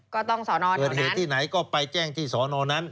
ก็ต้องสอนอนั้นเกิดเหตุที่ไหนก็ไปแจ้งที่สอนอนั้น